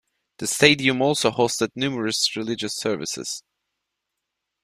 The stadium also hosted numerous religious services.